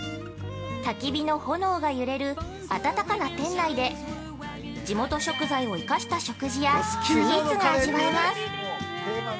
たき火の炎がゆれる暖かな店内で地元食材を生かした食事やスイーツが味わえます。